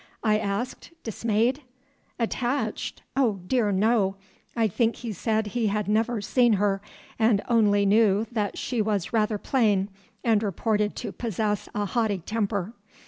I asked dismayed. "Attached? Oh, dear no, I think he said he had never seen her, and only knew that she was rather plain and reported to possess a haughty temper.